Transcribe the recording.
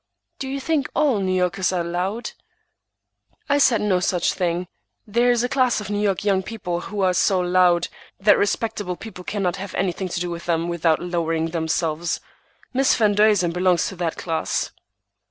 "Do you think all New Yorkers are loud?" "I said no such thing. There is a class of New York young people who are so 'loud' that respectable people cannot have anything to do with them without lowering themselves. Miss Van Duzen belongs to that class."